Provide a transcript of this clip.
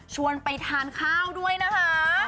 ไปทานข้าวด้วยนะคะ